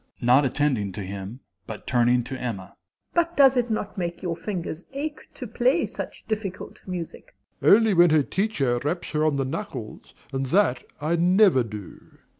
MRS. S. (not attending to him, but turning to Emma). But does it not make your fingers ache to play such difficult music? DOMINIE. Only when her teacher raps her on the knuckles, and that I never do.